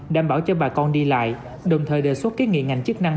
đảm bảo cho bà con đi lại đồng thời đề xuất kiến nghị ngành chức năng